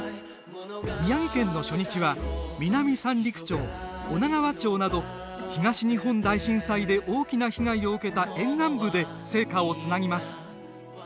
宮城県の初日は南三陸町女川町など東日本大震災で大きな被害を受けた沿岸部で聖火をつなぎます。